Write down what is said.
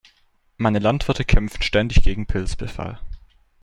Meine Landwirte kämpfen ständig gegen Pilzbefall.